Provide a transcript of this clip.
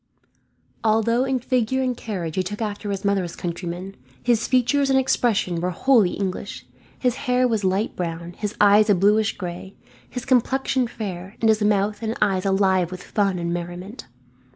Although in figure and carriage he took after his mother's countrymen, his features and expression were wholly English. His hair was light brown, his eyes a bluish gray, his complexion fair, and his mouth and eyes alive with fun and merriment.